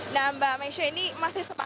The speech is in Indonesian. nah mbak masya ini masih sempat